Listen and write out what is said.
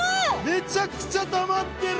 めちゃくちゃたまってる！